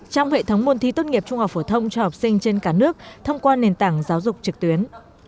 trong hệ thống môn thi tốt nghiệp trung học phổ thông cho học sinh trên cả nước thông qua nền tảng giáo dục trực tuyến